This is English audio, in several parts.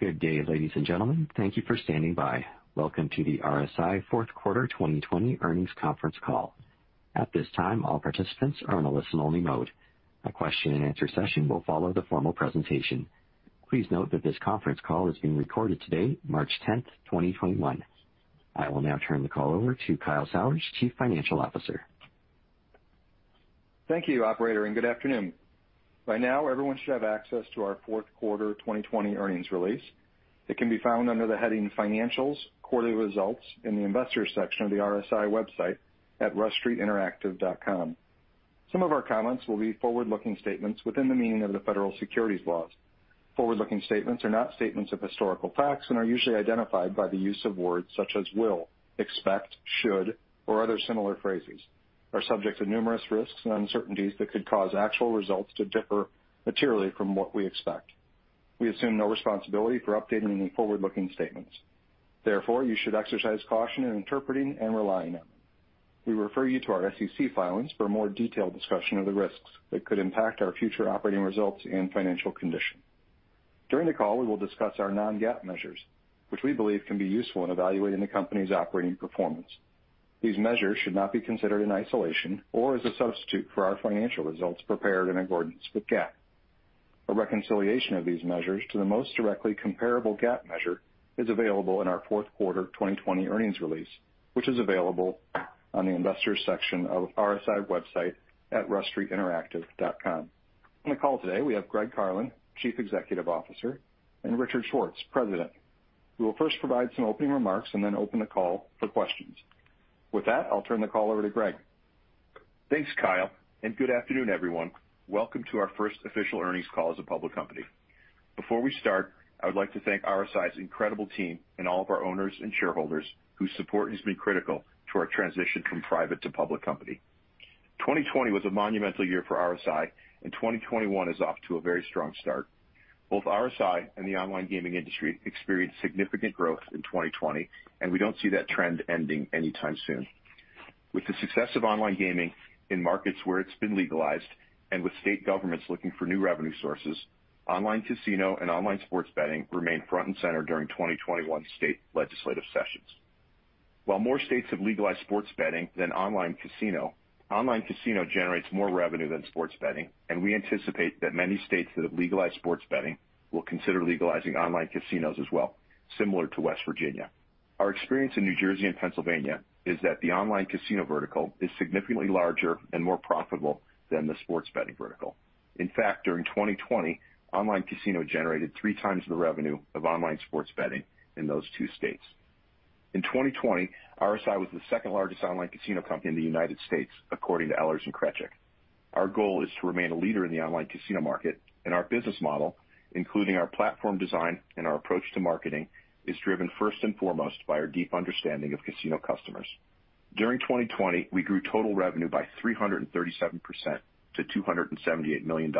Good day, ladies and gentlemen. Thank you for standing by. Welcome to the RSI Fourth Quarter 2020 Earnings Conference Call. At this time, all participants are in a listen-only mode. A question and answer session will follow the formal presentation. Please note that this conference call is being recorded today, March 10th, 2021. I will now turn the call over to Kyle Sauers, Chief Financial Officer. Thank you, operator, and good afternoon. By now, everyone should have access to our fourth quarter 2020 earnings release. It can be found under the heading Financials, Quarterly Results in the Investors section of the RSI website at rushstreetinteractive.com. Some of our comments will be forward-looking statements within the meaning of the federal securities laws. Forward-looking statements are not statements of historical facts and are usually identified by the use of words such as "will," "expect," "should," or other similar phrases, are subject to numerous risks and uncertainties that could cause actual results to differ materially from what we expect. We assume no responsibility for updating any forward-looking statements. Therefore, you should exercise caution in interpreting and relying on them. We refer you to our SEC filings for a more detailed discussion of the risks that could impact our future operating results and financial condition. During the call, we will discuss our non-GAAP measures, which we believe can be useful in evaluating the company's operating performance. These measures should not be considered in isolation or as a substitute for our financial results prepared in accordance with GAAP. A reconciliation of these measures to the most directly comparable GAAP measure is available in our fourth quarter 2020 earnings release, which is available on the Investors section of RSI website at rushstreetinteractive.com. On the call today, we have Greg Carlin, Chief Executive Officer, and Richard Schwartz, President, who will first provide some opening remarks and then open the call for questions. With that, I'll turn the call over to Greg. Thanks, Kyle, good afternoon, everyone. Welcome to our first official earnings call as a public company. Before we start, I would like to thank RSI's incredible team and all of our owners and shareholders whose support has been critical to our transition from private to public company. 2020 was a monumental year for RSI. 2021 is off to a very strong start. Both RSI and the online gaming industry experienced significant growth in 2020, we don't see that trend ending anytime soon. With the success of online gaming in markets where it's been legalized, with state governments looking for new revenue sources, online casino and online sports betting remain front and center during 2021 state legislative sessions. While more states have legalized sports betting than online casino, online casino generates more revenue than sports betting, and we anticipate that many states that have legalized sports betting will consider legalizing online casinos as well, similar to West Virginia. Our experience in New Jersey and Pennsylvania is that the online casino vertical is significantly larger and more profitable than the sports betting vertical. In fact, during 2020, online casino generated three times the revenue of online sports betting in those two states. In 2020, RSI was the second-largest online casino company in the United States according to Eilers & Krejcik Gaming. Our goal is to remain a leader in the online casino market and our business model, including our platform design and our approach to marketing, is driven first and foremost by our deep understanding of casino customers. During 2020, we grew total revenue by 337% to $278 million.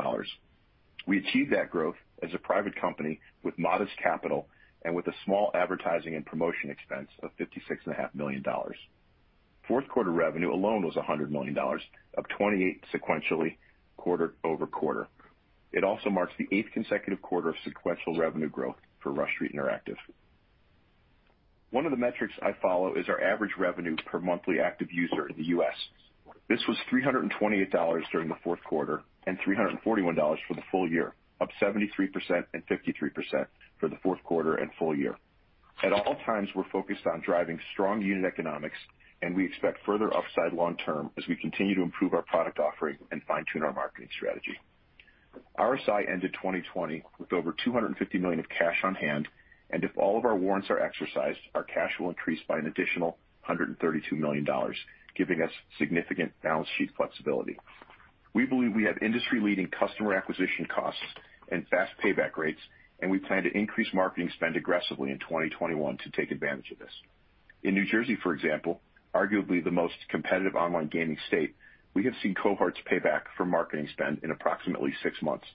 We achieved that growth as a private company with modest capital and with a small advertising and promotion expense of $56.5 million. Fourth quarter revenue alone was $100 million, up 28% sequentially quarter-over-quarter. It also marks the eighth consecutive quarter of sequential revenue growth for Rush Street Interactive. One of the metrics I follow is our average revenue per monthly active user in the U.S. This was $328 during the fourth quarter and $341 for the full year, up 73% and 53% for the fourth quarter and full year. At all times, we're focused on driving strong unit economics, and we expect further upside long term as we continue to improve our product offering and fine-tune our marketing strategy. RSI ended 2020 with over $250 million of cash on hand, and if all of our warrants are exercised, our cash will increase by an additional $132 million, giving us significant balance sheet flexibility. We believe we have industry-leading customer acquisition costs and fast payback rates, and we plan to increase marketing spend aggressively in 2021 to take advantage of this. In New Jersey, for example, arguably the most competitive online gaming state, we have seen cohorts pay back for marketing spend in approximately six months.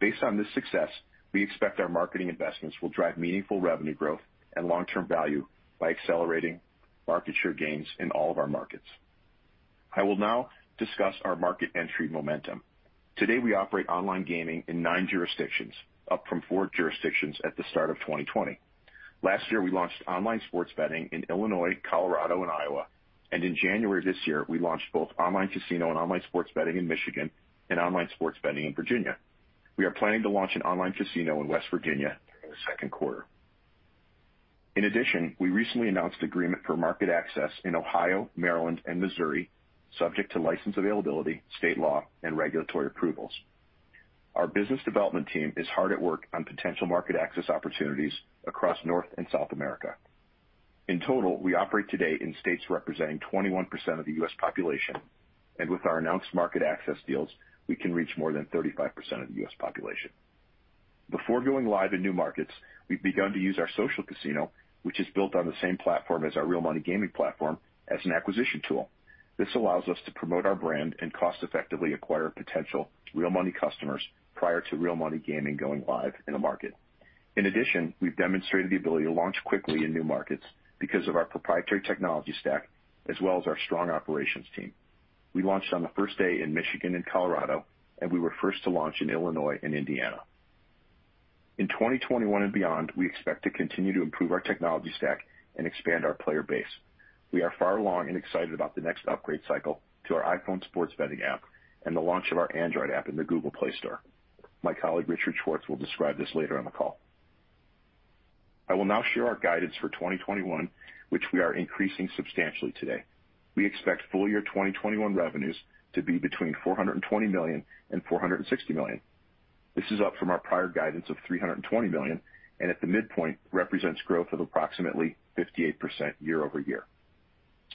Based on this success, we expect our marketing investments will drive meaningful revenue growth and long-term value by accelerating market share gains in all of our markets. I will now discuss our market entry momentum. Today, we operate online gaming in nine jurisdictions, up from four jurisdictions at the start of 2020. Last year, we launched online sports betting in Illinois, Colorado, and Iowa. In January this year, we launched both online casino and online sports betting in Michigan and online sports betting in Virginia. We are planning to launch an online casino in West Virginia during the second quarter. In addition, we recently announced agreement for market access in Ohio, Maryland, and Missouri, subject to license availability, state law, and regulatory approvals. Our business development team is hard at work on potential market access opportunities across North and South America. In total, we operate today in states representing 21% of the U.S. population, and with our announced market access deals, we can reach more than 35% of the U.S. population. Before going live in new markets, we've begun to use our social casino, which is built on the same platform as our real money gaming platform as an acquisition tool. This allows us to promote our brand and cost-effectively acquire potential real money customers prior to real money gaming going live in a market. In addition, we've demonstrated the ability to launch quickly in new markets because of our proprietary technology stack, as well as our strong operations team. We launched on the first day in Michigan and Colorado, and we were first to launch in Illinois and Indiana. In 2021 and beyond, we expect to continue to improve our technology stack and expand our player base. We are far along and excited about the next upgrade cycle to our iPhone sports betting app and the launch of our Android app in the Google Play Store. My colleague, Richard Schwartz, will describe this later on the call. I will now share our guidance for 2021, which we are increasing substantially today. We expect full-year 2021 revenues to be between $420 million and $460 million. This is up from our prior guidance of $320 million, and at the midpoint, represents growth of approximately 58% year-over-year.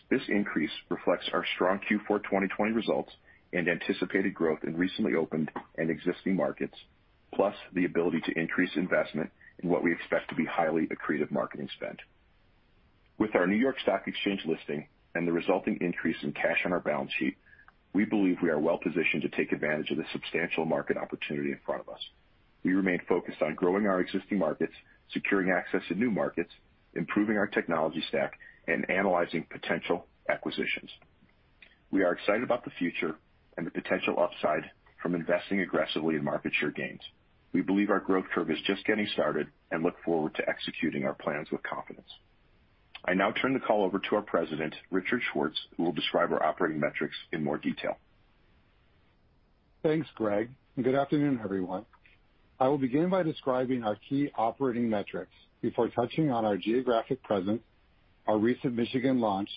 This increase reflects our strong Q4 2020 results and anticipated growth in recently opened and existing markets, plus the ability to increase investment in what we expect to be highly accretive marketing spend. With our New York Stock Exchange listing and the resulting increase in cash on our balance sheet, we believe we are well-positioned to take advantage of the substantial market opportunity in front of us. We remain focused on growing our existing markets, securing access to new markets, improving our technology stack, and analyzing potential acquisitions. We are excited about the future and the potential upside from investing aggressively in market share gains. We believe our growth curve is just getting started and look forward to executing our plans with confidence. I now turn the call over to our President, Richard Schwartz, who will describe our operating metrics in more detail. Thanks, Greg, and good afternoon, everyone. I will begin by describing our key operating metrics before touching on our geographic presence, our recent Michigan launch,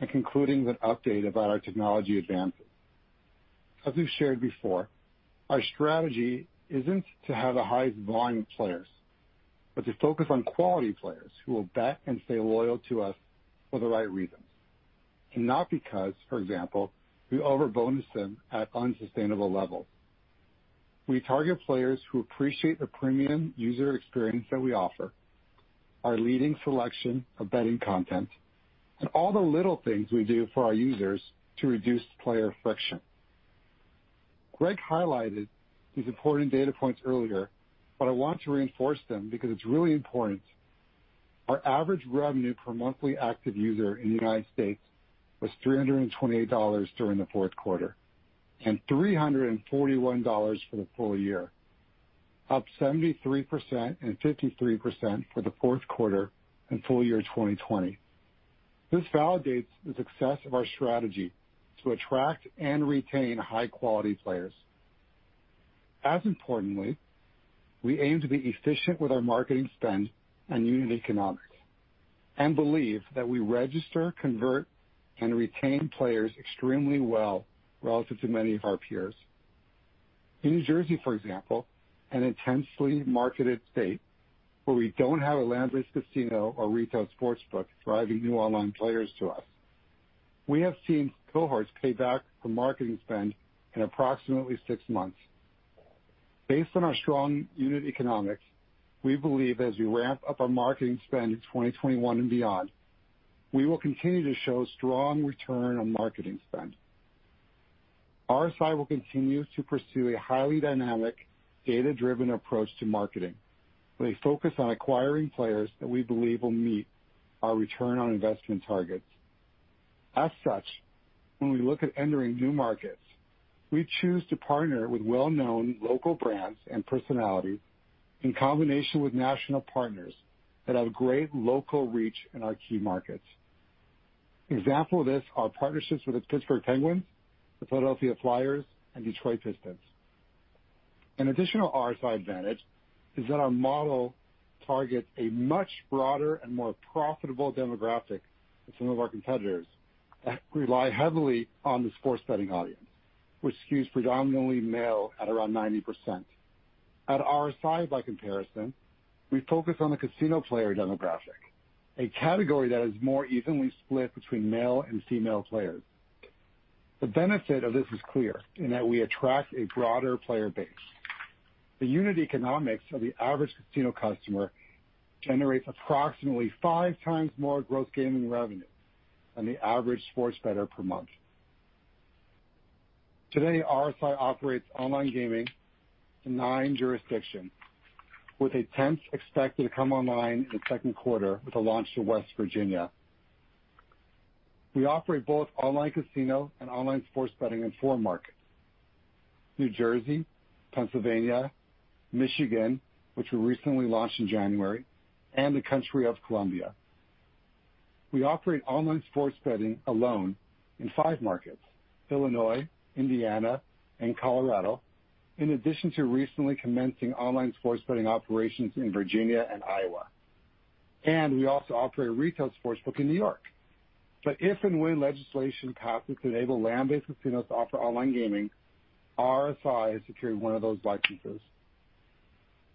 and concluding with an update about our technology advances. As we've shared before, our strategy isn't to have the highest volume of players, but to focus on quality players who will bet and stay loyal to us for the right reasons, and not because, for example, we over-bonus them at unsustainable levels. We target players who appreciate the premium user experience that we offer, our leading selection of betting content, and all the little things we do for our users to reduce player friction. Greg highlighted these important data points earlier, but I want to reinforce them because it's really important. Our average revenue per monthly active user in the United States was $328 during the fourth quarter, and $341 for the full year, up 73% and 53% for the fourth quarter and full year 2020. This validates the success of our strategy to attract and retain high-quality players. As importantly, we aim to be efficient with our marketing spend and unit economics and believe that we register, convert, and retain players extremely well relative to many of our peers. In New Jersey, for example, an intensely marketed state where we don't have a land-based casino or retail sportsbook driving new online players to us, we have seen cohorts pay back for marketing spend in approximately six months. Based on our strong unit economics, we believe as we ramp up our marketing spend in 2021 and beyond, we will continue to show strong return on marketing spend. RSI will continue to pursue a highly dynamic, data-driven approach to marketing with a focus on acquiring players that we believe will meet our return on investment targets. As such, when we look at entering new markets, we choose to partner with well-known local brands and personalities in combination with national partners that have great local reach in our key markets. An example of this, our partnerships with the Pittsburgh Penguins, the Philadelphia Flyers, and Detroit Pistons. An additional RSI advantage is that our model targets a much broader and more profitable demographic than some of our competitors that rely heavily on the sports betting audience, which skews predominantly male at around 90%. At RSI, by comparison, we focus on the casino player demographic, a category that is more evenly split between male and female players. The benefit of this is clear in that we attract a broader player base. The unit economics of the average casino customer generates approximately 5 times more gross gaming revenue than the average sports bettor per month. Today, RSI operates online gaming in 9 jurisdictions, with a 10th expected to come online in the second quarter with a launch to West Virginia. We operate both online casino and online sports betting in 4 markets: New Jersey, Pennsylvania, Michigan, which we recently launched in January, and the country of Colombia. We operate online sports betting alone in 5 markets: Illinois, Indiana, and Colorado, in addition to recently commencing online sports betting operations in Virginia and Iowa. We also operate a retail sportsbook in New York. If and when legislation passes to enable land-based casinos to offer online gaming, RSI has secured one of those licenses.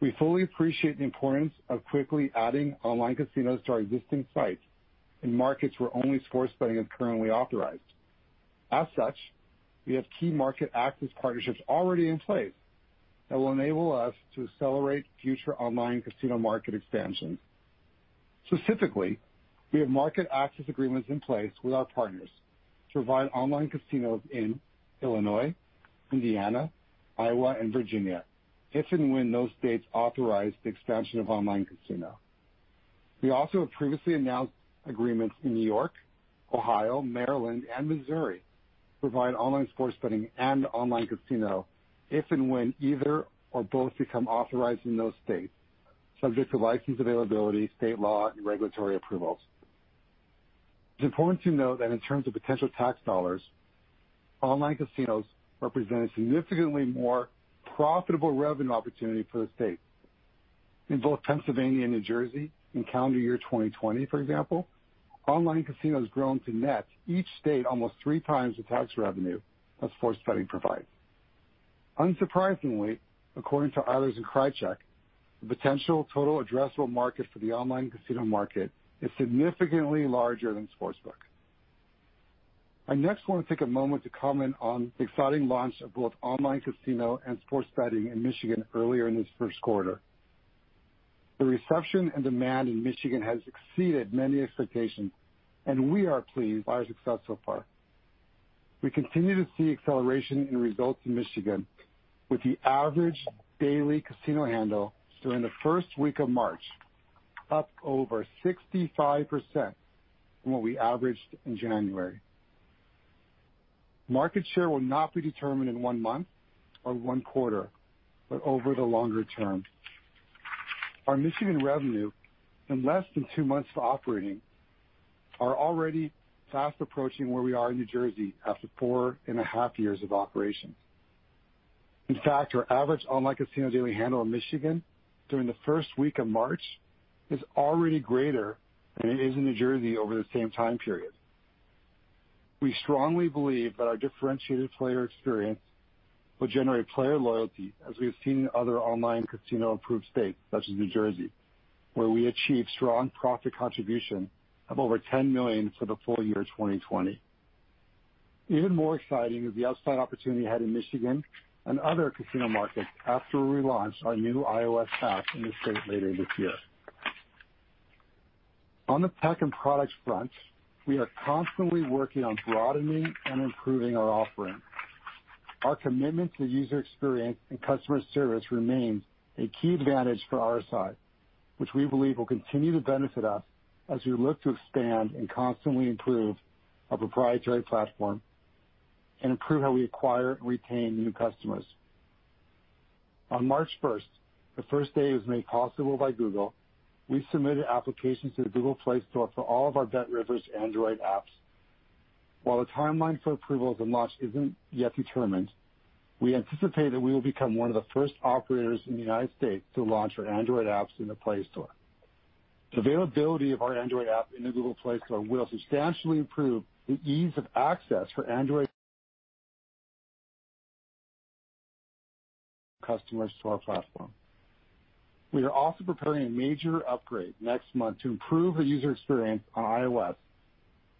We fully appreciate the importance of quickly adding online casinos to our existing sites in markets where only sports betting is currently authorized. As such, we have key market access partnerships already in place that will enable us to accelerate future online casino market expansion. Specifically, we have market access agreements in place with our partners to provide online casinos in Illinois, Indiana, Iowa, and Virginia, if and when those states authorize the expansion of online casino. We also have previously announced agreements in New York, Ohio, Maryland, and Missouri to provide online sports betting and online casino if and when either or both become authorized in those states, subject to license availability, state law, and regulatory approvals. It's important to note that in terms of potential tax dollars, online casinos represent a significantly more profitable revenue opportunity for the state. In both Pennsylvania and New Jersey, in calendar year 2020, for example, online casinos grown to net each state almost three times the tax revenue that sports betting provides. Unsurprisingly, according to Eilers & Krejcik, the potential total addressable market for the online casino market is significantly larger than sportsbook. I next want to take a moment to comment on the exciting launch of both online casino and sports betting in Michigan earlier in this first quarter. The reception and demand in Michigan has exceeded many expectations, and we are pleased by our success so far. We continue to see acceleration in results in Michigan with the average daily casino handle during the first week of March up over 65% from what we averaged in January. Market share will not be determined in one month or one quarter, but over the longer term. Our Michigan revenue in less than two months of operating is already fast approaching approaching where we are in New Jersey after four and a half years of operation. In fact, our average online casino daily handle in Michigan during the first week of March is already greater than it is in New Jersey over the same time period. We strongly believe that our differentiated player experience will generate player loyalty as we have seen in other online casino-approved states, such as New Jersey, where we achieved strong profit contribution of over $10 million for the full year 2020. Even more exciting is the upside opportunity ahead in Michigan and other casino markets after we launch our new iOS app in the state later this year. On the tech and products front, we are constantly working on broadening and improving our offering. Our commitment to user experience and customer service remains a key advantage for RSI, which we believe will continue to benefit us as we look to expand and constantly improve our proprietary platform and improve how we acquire and retain new customers. On March 1st, the first day it was made possible by Google, we submitted applications to the Google Play Store for all of our BetRivers Android apps. While the timeline for approval and launch isn't yet determined, we anticipate that we will become one of the first operators in the United States to launch our Android apps in the Play Store. The availability of our Android app in the Google Play Store will substantially improve the ease of access for Android customers to our platform. We are also preparing a major upgrade next month to improve the user experience on iOS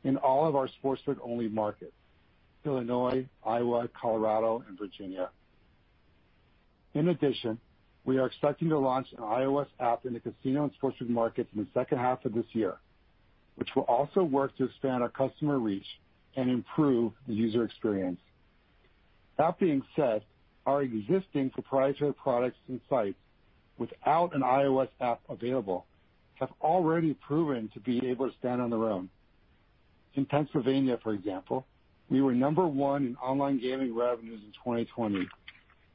in all of our sportsbook-only markets: Illinois, Iowa, Colorado, and Virginia. In addition, we are expecting to launch an iOS app in the casino and sportsbook markets in the second half of this year, which will also work to expand our customer reach and improve the user experience. That being said, our existing proprietary products and sites without an iOS app available have already proven to be able to stand on their own. In Pennsylvania, for example, we were number one in online gaming revenues in 2020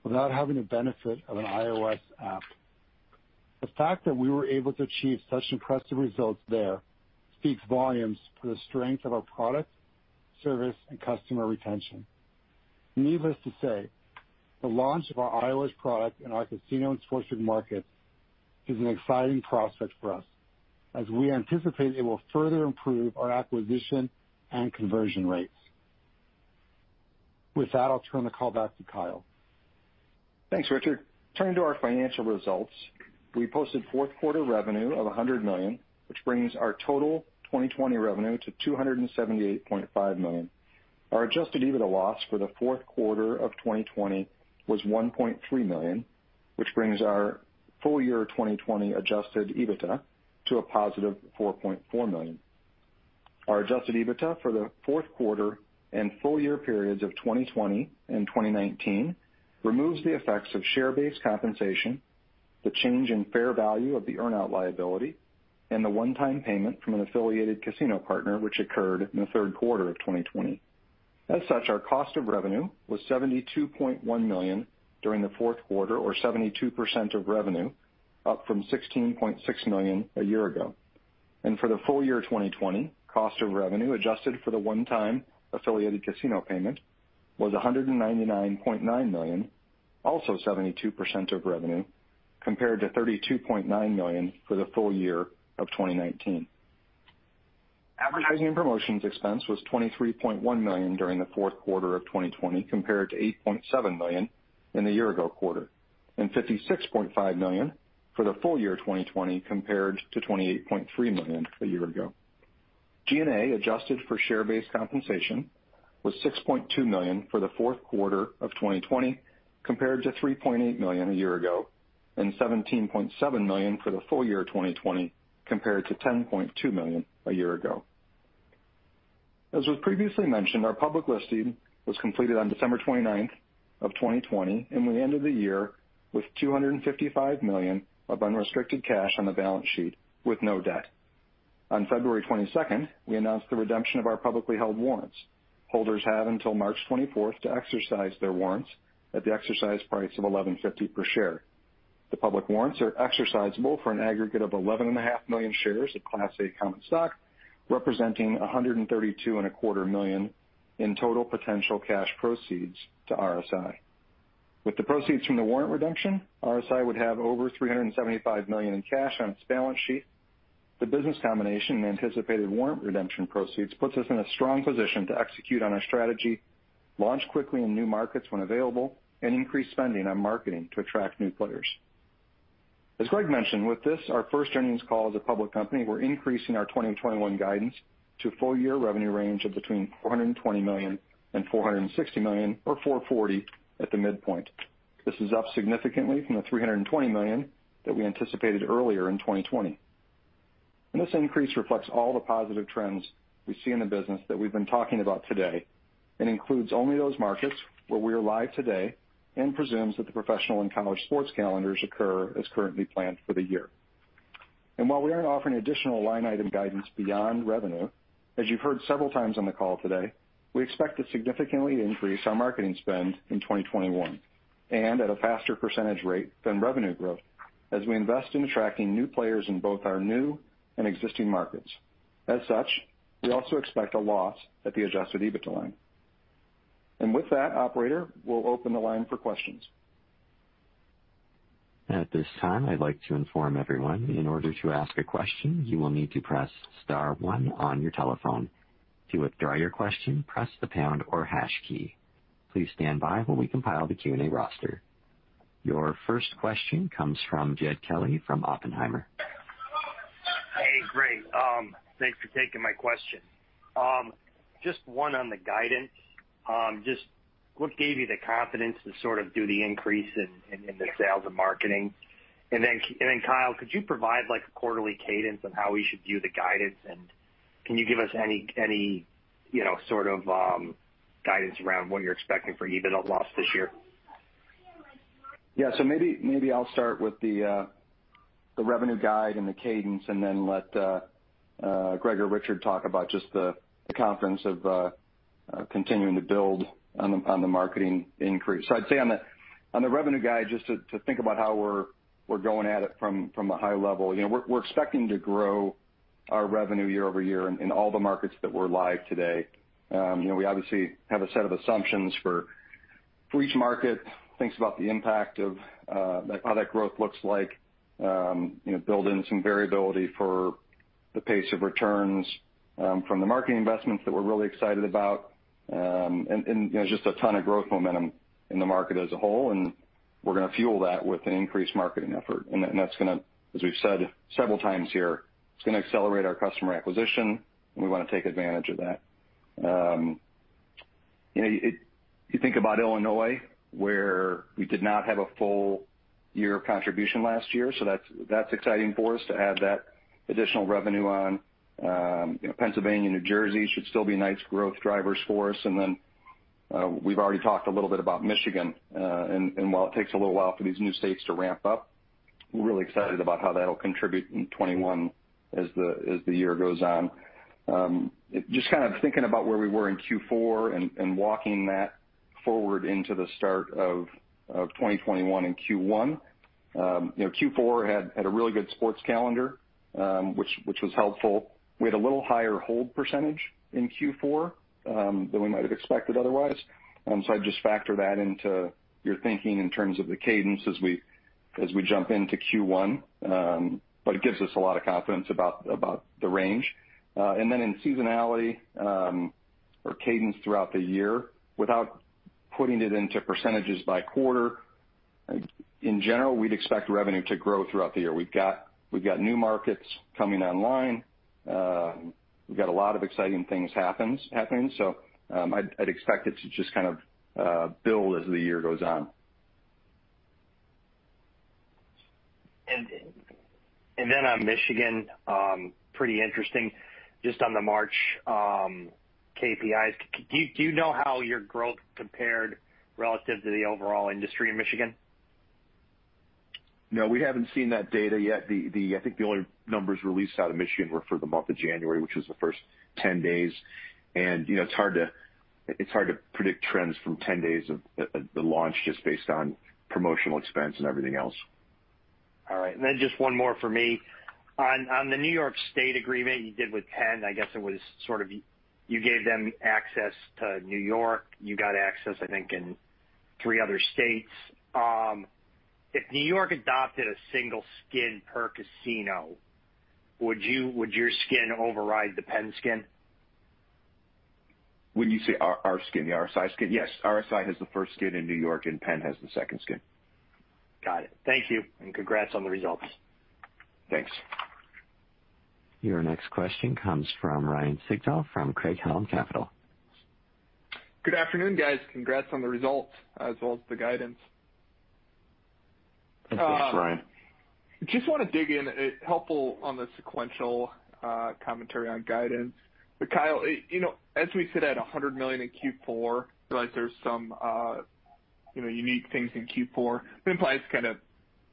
without having the benefit of an iOS app. The fact that we were able to achieve such impressive results there speaks volumes to the strength of our product, service, and customer retention. Needless to say, the launch of our iOS product in our casino and sportsbook markets is an exciting prospect for us, as we anticipate it will further improve our acquisition and conversion rates. With that, I'll turn the call back to Kyle. Thanks, Richard. Turning to our financial results, we posted fourth quarter revenue of $100 million, which brings our total 2020 revenue to $278.5 million. Our adjusted EBITDA loss for the fourth quarter of 2020 was $1.3 million, which brings our full year 2020 adjusted EBITDA to a positive $4.4 million. Our adjusted EBITDA for the fourth quarter and full year periods of 2020 and 2019 removes the effects of share-based compensation, the change in fair value of the earn-out liability, and the one-time payment from an affiliated casino partner, which occurred in the third quarter of 2020. As such, our cost of revenue was $72.1 million during the fourth quarter, or 72% of revenue, up from $16.6 million a year ago. For the full year 2020, cost of revenue, adjusted for the one-time affiliated casino payment, was $199.9 million, also 72% of revenue, compared to $32.9 million for the full year of 2019. Advertising and promotions expense was $23.1 million during the fourth quarter of 2020 compared to $8.7 million in the year-ago quarter, and $56.5 million for the full year 2020 compared to $28.3 million a year ago. G&A, adjusted for share-based compensation, was $6.2 million for the fourth quarter of 2020 compared to $3.8 million a year ago, and $17.7 million for the full year 2020 compared to $10.2 million a year ago. As was previously mentioned, our public listing was completed on December 29th of 2020, and we ended the year with $255 million of unrestricted cash on the balance sheet with no debt. On February 22nd, we announced the redemption of our publicly held warrants. Holders have until March 24th to exercise their warrants at the exercise price of $11.50 per share. The public warrants are exercisable for an aggregate of 11.5 million shares of Class A common stock, representing $132.25 million in total potential cash proceeds to RSI. With the proceeds from the warrant redemption, RSI would have over $375 million in cash on its balance sheet. The business combination and anticipated warrant redemption proceeds puts us in a strong position to execute on our strategy, launch quickly in new markets when available, and increase spending on marketing to attract new players. As Greg mentioned, with this, our first earnings call as a public company, we're increasing our 2021 guidance to a full year revenue range of between $420 million and $460 million, or $440 at the midpoint. This is up significantly from the $320 million that we anticipated earlier in 2020. This increase reflects all the positive trends we see in the business that we've been talking about today and includes only those markets where we are live today and presumes that the professional and college sports calendars occur as currently planned for the year. While we aren't offering additional line item guidance beyond revenue, as you've heard several times on the call today, we expect to significantly increase our marketing spend in 2021 and at a faster percentage rate than revenue growth as we invest in attracting new players in both our new and existing markets. As such, we also expect a loss at the adjusted EBITDA line. With that, operator, we'll open the line for questions. At this time, I'd like to inform everyone, in order to ask a question, you will need to press *1 on your telephone. To withdraw your question, press the # or hash key. Please stand by while we compile the Q&A roster. Your first question comes from Jed Kelly from Oppenheimer. Hey, great. Thanks for taking my question. Just one on the guidance. What gave you the confidence to do the increase in the sales and marketing? Kyle, could you provide a quarterly cadence of how we should view the guidance? Can you give us any sort of guidance around what you're expecting for EBITDA loss this year? Yeah. Maybe I'll start with the revenue guide and the cadence, and then let Greg or Richard talk about just the confidence of continuing to build on the marketing increase. I'd say on the revenue guide, just to think about how we're going at it from a high level. We're expecting to grow our revenue year-over-year in all the markets that we're live today. We obviously have a set of assumptions for each market, thinks about the impact of how that growth looks like, build in some variability for the pace of returns from the marketing investments that we're really excited about. There's just a ton of growth momentum in the market as a whole, and we're going to fuel that with an increased marketing effort. That's going to, as we've said several times here, it's going to accelerate our customer acquisition, and we want to take advantage of that. You think about Illinois, where we did not have a full year of contribution last year, that's exciting for us to add that additional revenue on. Pennsylvania and New Jersey should still be nice growth drivers for us. Then we've already talked a little bit about Michigan, while it takes a little while for these new states to ramp up, we're really excited about how that'll contribute in 2021 as the year goes on. Just kind of thinking about where we were in Q4 and walking that forward into the start of 2021 in Q1. Q4 had a really good sports calendar, which was helpful. We had a little higher hold percentage in Q4 than we might have expected otherwise. I'd just factor that into your thinking in terms of the cadence as we jump into Q1. It gives us a lot of confidence about the range. In seasonality or cadence throughout the year, without putting it into percentages by quarter, in general, we'd expect revenue to grow throughout the year. We've got new markets coming online. We've got a lot of exciting things happening. I'd expect it to just kind of build as the year goes on. On Michigan, pretty interesting, just on the March KPIs, do you know how your growth compared relative to the overall industry in Michigan? No, we haven't seen that data yet. I think the only numbers released out of Michigan were for the month of January, which was the first 10 days. It's hard to predict trends from 10 days of the launch just based on promotional expense and everything else. All right. Just one more for me. On the New York State agreement you did with Penn, I guess it was sort of, you gave them access to New York. You got access, I think, in three other states. If New York adopted a single skin per casino, would your skin override the Penn skin? When you say our skin, the RSI skin? Yes. RSI has the first skin in New York, and Penn has the second skin. Got it. Thank you. Congrats on the results. Thanks. Your next question comes from Ryan Sigdahl from Craig-Hallum Capital. Good afternoon, guys. Congrats on the results as well as the guidance. Thanks, Ryan. Just want to dig in. Helpful on the sequential commentary on guidance. Kyle, as we sit at $100 million in Q4, realize there's some unique things in Q4, it implies kind of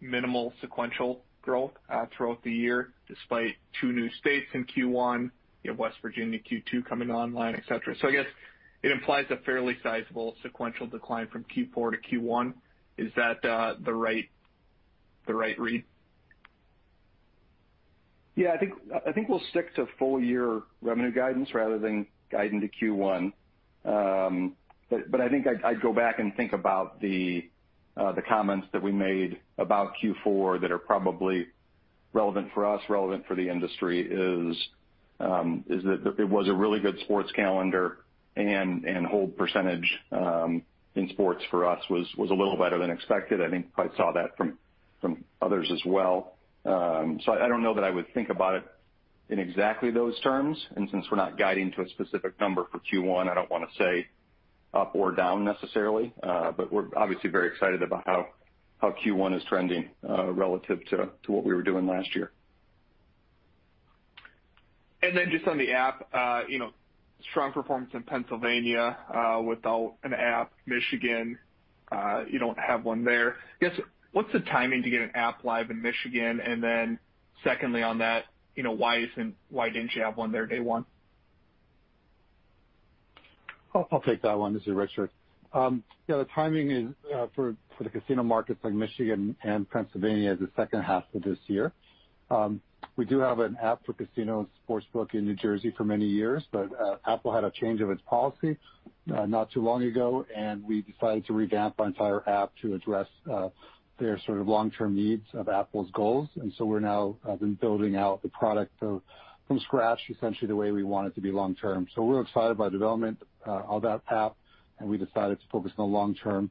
minimal sequential growth throughout the year, despite two new states in Q1, you have West Virginia Q2 coming online, et cetera. I guess it implies a fairly sizable sequential decline from Q4 to Q1. Is that the right read? Yeah, I think we'll stick to full year revenue guidance rather than guiding to Q1. I think I'd go back and think about the comments that we made about Q4 that are probably relevant for us, relevant for the industry, is that it was a really good sports calendar and hold percentage in sports for us was a little better than expected. I think probably saw that from others as well. I don't know that I would think about it in exactly those terms. Since we're not guiding to a specific number for Q1, I don't want to say up or down necessarily. We're obviously very excited about how Q1 is trending relative to what we were doing last year. Just on the app, strong performance in Pennsylvania without an app. Michigan, you don't have one there. I guess, what's the timing to get an app live in Michigan? Secondly on that, why didn't you have one there day one? I'll take that one. This is Richard. Yeah, the timing is for the casino markets like Michigan and Pennsylvania is the second half of this year. We do have an app for casino and sportsbook in New Jersey for many years. Apple had a change of its policy not too long ago, and we decided to revamp our entire app to address their sort of long-term needs of Apple's goals. We're now have been building out the product from scratch, essentially the way we want it to be long term. We're excited by development of that app, and we decided to focus on long-term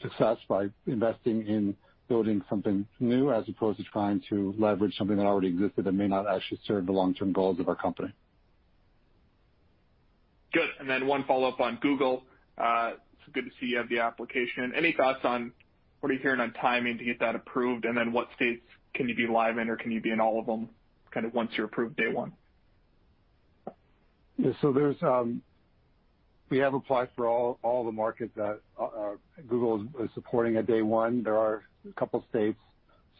success by investing in building something new, as opposed to trying to leverage something that already existed that may not actually serve the long-term goals of our company. Good. One follow-up on Google. It's good to see you have the application. Any thoughts on, what are you hearing on timing to get that approved? What states can you be live in, or can you be in all of them kind of once you're approved day one? Yeah, we have applied for all the markets that Google is supporting at day one. There are a couple states,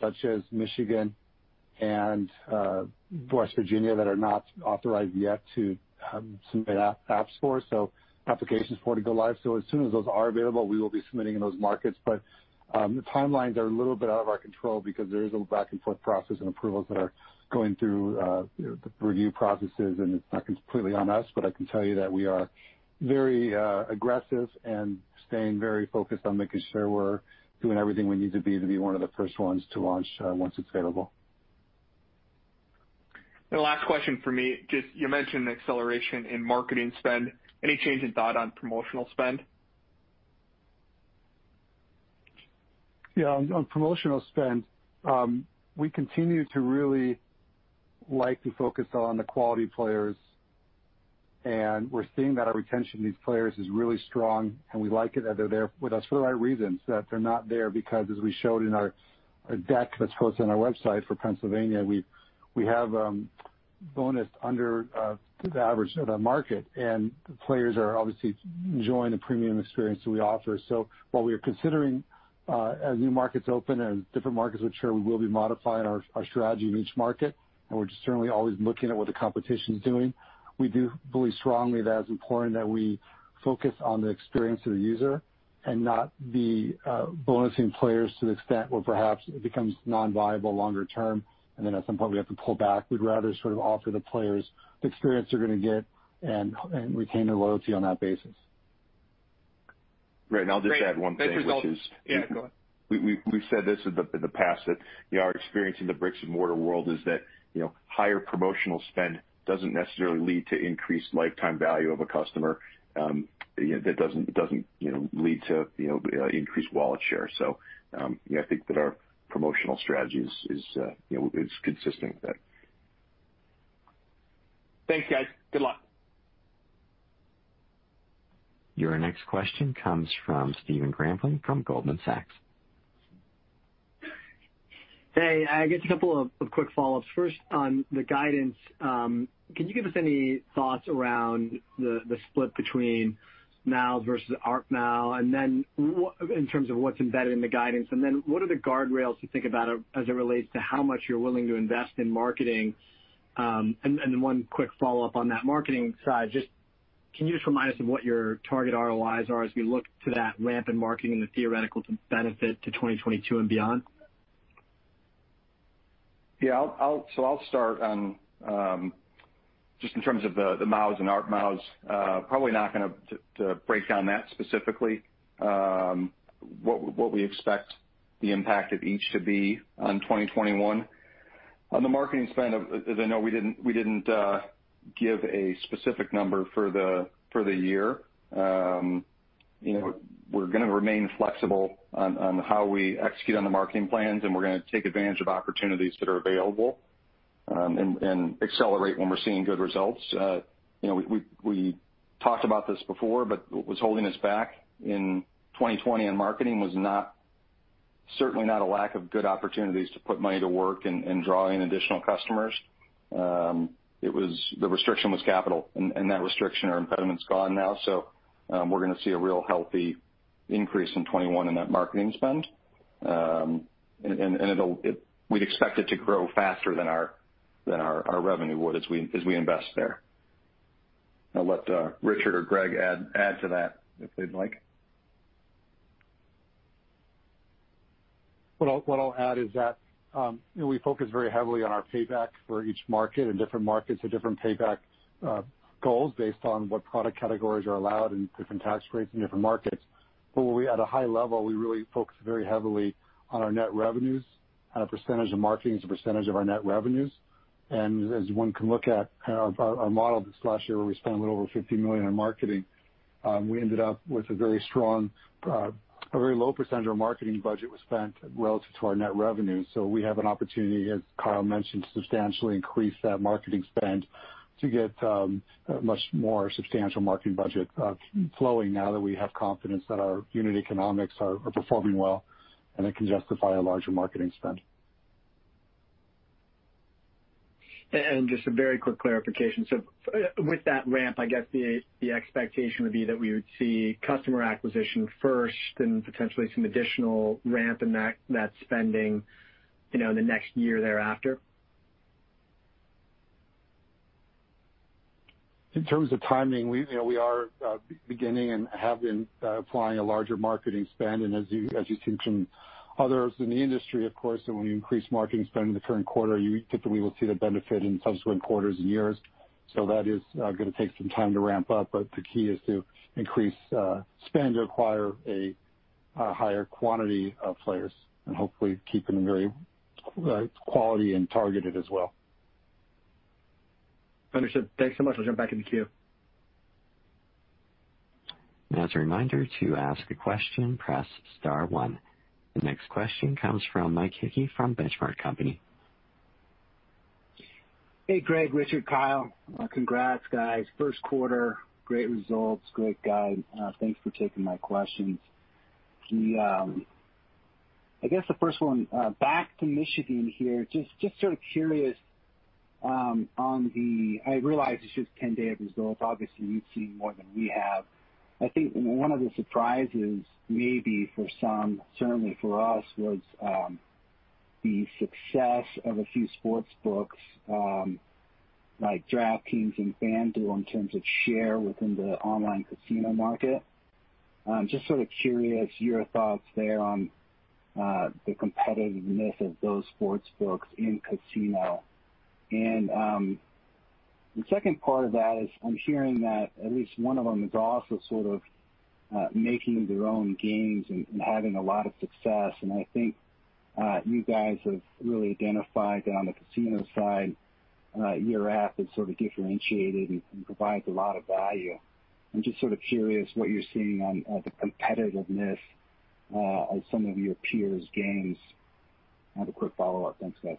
such as Michigan and West Virginia, that are not authorized yet to submit apps for, so applications for to go live. As soon as those are available, we will be submitting in those markets. The timelines are a little bit out of our control because there is a back-and-forth process and approvals that are going through the review processes, and it's not completely on us. I can tell you that we are very aggressive and staying very focused on making sure we're doing everything we need to be to be one of the first ones to launch once it's available. The last question from me. Just you mentioned acceleration in marketing spend, any change in thought on promotional spend? Yeah. On promotional spend, we continue to really like to focus on the quality players, and we're seeing that our retention of these players is really strong, and we like it that they're there with us for the right reasons. That they're not there because, as we showed in our deck that's posted on our website for Pennsylvania, we have bonused under the average of the market, and players are obviously enjoying the premium experience that we offer. While we are considering as new markets open and different markets mature, we will be modifying our strategy in each market, and we're just certainly always looking at what the competition's doing. We do believe strongly that it's important that we focus on the experience of the user and not be bonusing players to the extent where perhaps it becomes non-viable longer term, and then at some point we have to pull back. We'd rather sort of offer the players the experience they're going to get and retain their loyalty on that basis. Right. I'll just add one thing. Great. Thanks, Richard which is- Yeah, go ahead. we've said this in the past, that our experience in the bricks and mortar world is that higher promotional spend doesn't necessarily lead to increased lifetime value of a customer. That doesn't lead to increased wallet share. Yeah, I think that our promotional strategy is consistent with that. Thanks, guys. Good luck. Your next question comes from Stephen Grambling from Goldman Sachs. Hey, I guess a couple of quick follow-ups. First, on the guidance, can you give us any thoughts around the split between MAU versus ARPMAU now? In terms of what's embedded in the guidance, and then what are the guardrails you think about as it relates to how much you're willing to invest in marketing? One quick follow-up on that marketing side, just can you just remind us of what your target ROIs are as we look to that ramp in marketing and the theoretical benefit to 2022 and beyond? I'll start on just in terms of the MAUs and ARPMAU. Probably not going to break down that specifically, what we expect the impact of each to be on 2021. On the marketing spend, as I know we didn't give a specific number for the year. We're going to remain flexible on how we execute on the marketing plans, and we're going to take advantage of opportunities that are available. Accelerate when we're seeing good results. We talked about this before, but what was holding us back in 2020 in marketing was certainly not a lack of good opportunities to put money to work and draw in additional customers. The restriction was capital, and that restriction or impediment is gone now. We're going to see a real healthy increase in 2021 in that marketing spend. We'd expect it to grow faster than our revenue would as we invest there. I'll let Richard or Greg add to that if they'd like. What I'll add is that we focus very heavily on our payback for each market, and different markets have different payback goals based on what product categories are allowed and different tax rates in different markets. At a high level, we really focus very heavily on our net revenues. Percentage of marketing is a percentage of our net revenues. As one can look at our model this last year where we spent a little over $50 million in marketing, we ended up with a very low percentage of our marketing budget was spent relative to our net revenue. We have an opportunity, as Kyle mentioned, to substantially increase that marketing spend to get a much more substantial marketing budget flowing now that we have confidence that our unit economics are performing well and it can justify a larger marketing spend. Just a very quick clarification. With that ramp, I guess the expectation would be that we would see customer acquisition first, then potentially some additional ramp in that spending in the next year thereafter? In terms of timing, we are beginning and have been applying a larger marketing spend. As you've seen from others in the industry, of course, when you increase marketing spend in the current quarter, typically we will see the benefit in subsequent quarters and years. That is going to take some time to ramp up. The key is to increase spend to acquire a higher quantity of players and hopefully keeping them very quality and targeted as well. Understood. Thanks so much. I'll jump back in the queue. As a reminder, to ask a question, press star one. The next question comes from Mike Hickey from The Benchmark Company. Hey, Greg, Richard, Kyle Sauers. Congrats, guys. First quarter, great results, great guide. Thanks for taking my questions. The first one, back to Michigan here, just sort of curious. I realize it's just 10 days of results. Obviously, you've seen more than we have. I think one of the surprises maybe for some, certainly for us, was the success of a few sportsbooks like DraftKings and FanDuel in terms of share within the online casino market. Just sort of curious your thoughts there on the competitiveness of those sportsbooks in casino. The second part of that is I'm hearing that at least one of them is also sort of making their own games and having a lot of success, and I think you guys have really identified that on the casino side, your app is sort of differentiated and provides a lot of value. I'm just sort of curious what you're seeing on the competitiveness of some of your peers' games. I have a quick follow-up. Thanks, guys.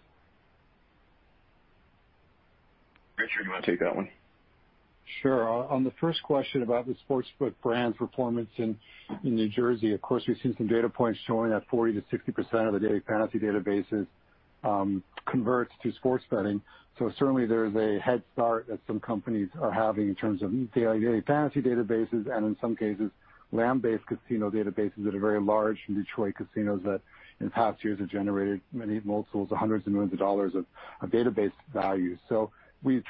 Richard, do you want to take that one? Sure. On the first question about the sportsbook brand's performance in New Jersey, of course, we've seen some data points showing that 40%-60% of the daily fantasy databases convert to sports betting. Certainly, there is a head start that some companies are having in terms of daily fantasy databases and in some cases, land-based casino databases that are very large in Detroit casinos that in past years have generated many multiples of hundreds of millions of dollars of database value.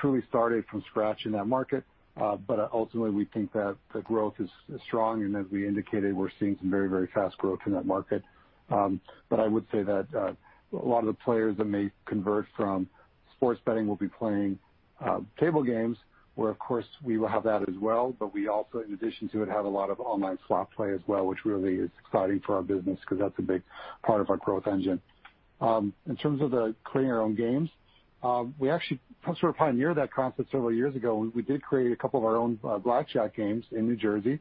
Ultimately, we think that the growth is strong, and as we indicated, we're seeing some very, very fast growth in that market. I would say that a lot of the players that may convert from sports betting will be playing table games, where, of course, we will have that as well. We also, in addition to it, have a lot of online slot play as well, which really is exciting for our business because that's a big part of our growth engine. In terms of the creating our own games, we actually sort of pioneered that concept several years ago. We did create a couple of our own blackjack games in New Jersey,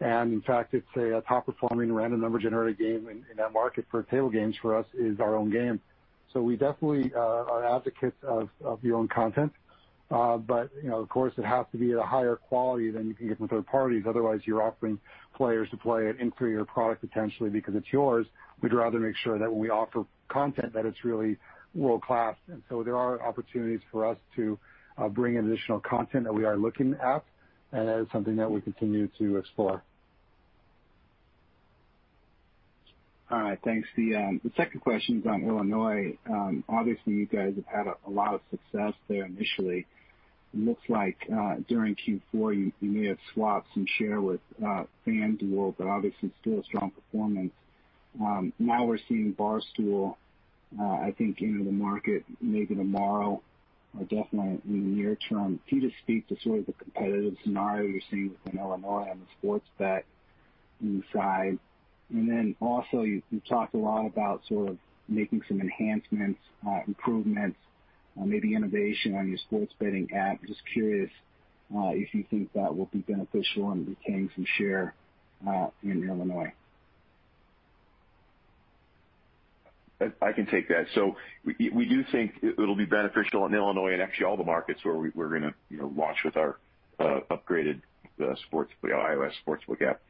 and in fact, it's a top-performing random number generated game in that market for table games for us is our own game. We definitely are advocates of your own content. Of course, it has to be at a higher quality than you can get from third parties. Otherwise, you're offering players to play it inferior product potentially because it's yours. We'd rather make sure that when we offer content, that it's really world-class. There are opportunities for us to bring in additional content that we are looking at, and that is something that we continue to explore. All right. Thanks. The second question is on Illinois. Obviously, you guys have had a lot of success there initially. It looks like during Q4, you may have swapped some share with FanDuel, obviously still a strong performance. Now we're seeing Barstool, I think, enter the market maybe tomorrow or definitely in the near term. Can you just speak to sort of the competitive scenario you're seeing within Illinois on the sports bet side? Also, you talked a lot about sort of making some enhancements, improvements, or maybe innovation on your sports betting app. Just curious if you think that will be beneficial in gaining some share in Illinois. I can take that. We do think it'll be beneficial in Illinois and actually all the markets where we're going to launch with our upgraded iOS sportsbook app.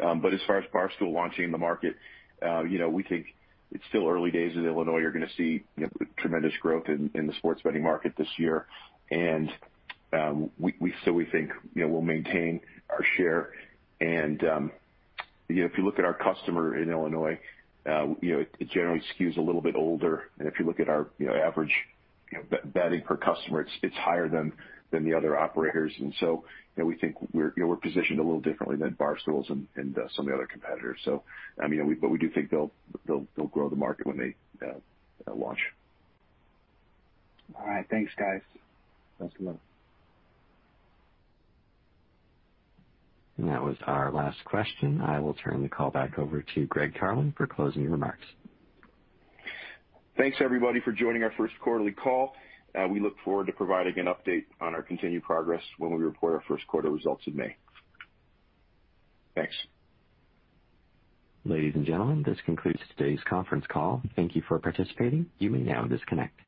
As far as Barstool launching the market, we think it's still early days in Illinois. You're going to see tremendous growth in the sports betting market this year. We think we'll maintain our share. If you look at our customer in Illinois, it generally skews a little bit older. If you look at our average betting per customer, it's higher than the other operators. We think we're positioned a little differently than Barstool and some of the other competitors. We do think they'll grow the market when they launch. All right. Thanks, guys. Thanks a lot. That was our last question. I will turn the call back over to Greg Carlin for closing remarks. Thanks everybody for joining our first quarterly call. We look forward to providing an update on our continued progress when we report our first quarter results in May. Thanks. Ladies and gentlemen, this concludes today's conference call. Thank you for participating. You may now disconnect.